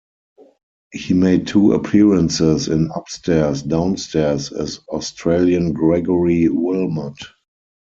He made two appearances in "Upstairs, Downstairs" as Australian Gregory Wilmot.